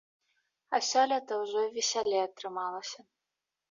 А сёлета ўжо і весялей атрымалася.